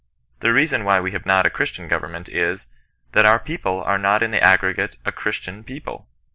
The reason why we have not a Christian govefnment is, that our people are not in the t^ggreghiQ a Christian people.